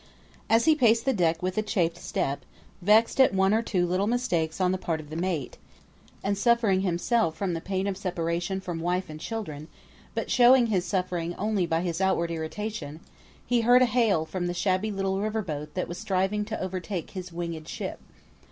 As he paced the deck with a chafed step, vexed at one or two little mistakes on the part of the mate, and suffering himself from the pain of separation from wife and children, but showing his suffering only by his outward irritation, he heard a hail from the shabby little river boat that was striving to overtake his winged ship.